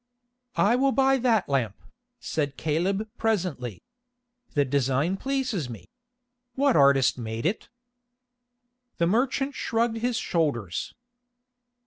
"I will buy that lamp," said Caleb presently. "The design pleases me. What artist made it?" The merchant shrugged his shoulders.